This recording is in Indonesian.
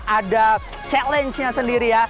ada challenge nya sendiri ya